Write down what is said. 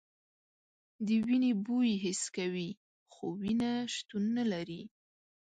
د وینې بوی حس کوي خو وینه شتون نه لري.